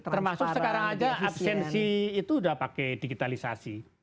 termasuk sekarang aja absensi itu sudah pakai digitalisasi